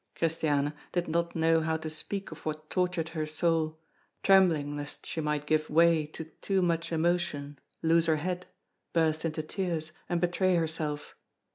Christiane did not know how to speak of what tortured her soul, trembling lest she might give way to too much emotion, lose her head, burst into tears, and betray herself.